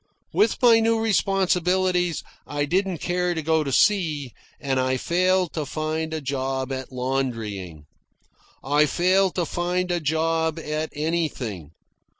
With my new responsibilities I didn't dare go to sea, and I failed to find a job at laundrying. I failed to find a job at anything.